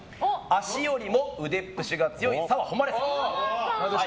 足よりも腕っぷしが強い澤穂希。